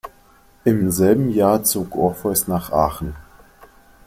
Im selben Jahr zog Orpheus nach Aachen.